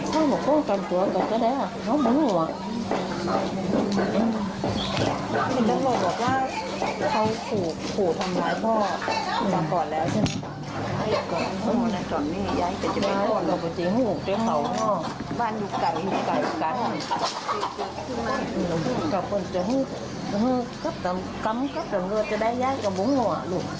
จะให้กำกัดเงินจะได้ย่ายกับบุงหัว